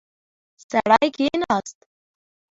سړی کېناست.